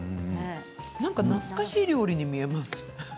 なんか懐かしい料理に見えます。